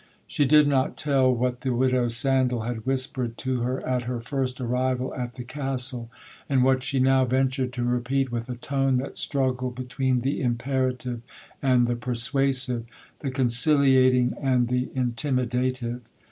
She did not tell what the widow Sandal had whispered to her at her first arrival at the Castle, and what she now ventured to repeat with a tone that struggled between the imperative and the persuasive,—the conciliating and the intimidative.